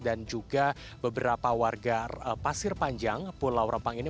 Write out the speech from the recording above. dan juga beberapa warga pasir panjang pulau rempang ini